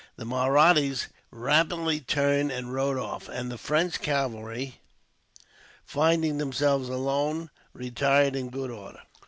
The Mahrattas rapidly turned and rode off, and the French cavalry, finding themselves alone, retired in good order.